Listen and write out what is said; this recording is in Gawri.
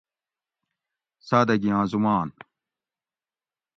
سادگیاں زُمان